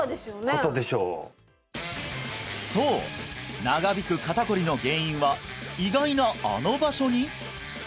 へえそう長引く肩こりの原因は意外なあの場所に！？